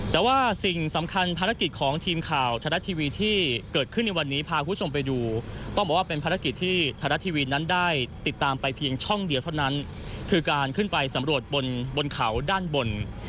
แต่ว่าสิ่งสำคัญภารกิจของทีมข่าวไทยรัฐทีวีที่เกิดขึ้นในวันนี้พาคุณผู้ชมไปดูต้องบอกว่าเป็นภารกิจที่ไทยรัฐทีวีนั้นได้ติดตามไปเพียงช่องเดียวเท่านั้นคือการขึ้นไปสำรวจบนบนเขาด้านบน